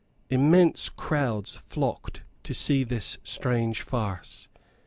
Immense crowds flocked to see this strange farce.